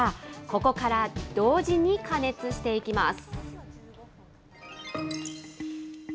ここから同時に加熱していきます。